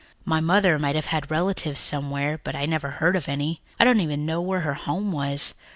My mother might have had relatives somewhere, but I never heard of any. I don't even know where her home was.